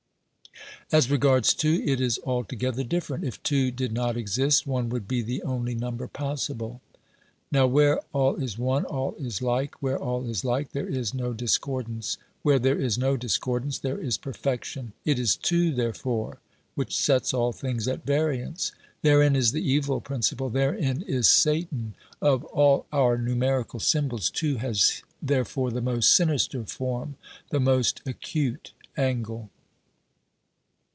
As regards Two, it is altogether different. If two did not exist, one would be the only number possible. Now, where all is one, all is like ; where all is like, there is no discordance; where there is no discordance, there is per fection : it is two, therefore, which sets all things at variance. Therein is the evil principle, therein is Satan. Of all our numerical symbols, two has therefore the most sinister form, the most acute angle.